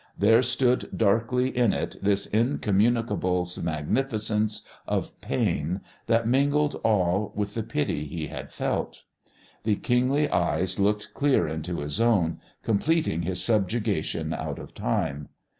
There stood darkly in it this incommunicable magnificence of pain that mingled awe with the pity he had felt. The kingly eyes looked clear into his own, completing his subjugation out of time.